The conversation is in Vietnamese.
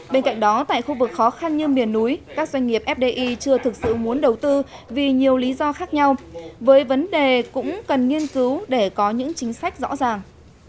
bên cạnh đó tại khu vực khó khăn như miền núi các doanh nghiệp fdi chưa thực sự muốn đầu tư vì nhiều lý do khác nhau với vấn đề cũng cần nghiên cứu để có những chính sách rõ ràng